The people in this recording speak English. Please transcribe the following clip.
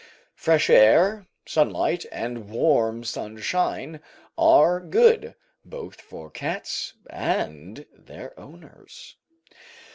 Fresh air, sunlight, and warm sunshine are good, both for cats and their owners.